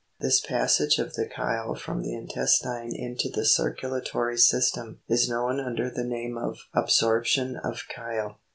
This passage of the chyle from the intestine into the circu latory system is known under the name of absorption of chyle.